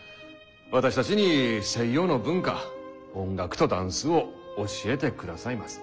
私たちに西洋の文化音楽とダンスを教えてくださいます。